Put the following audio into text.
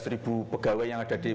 delapan belas ribu pegawai yang ada di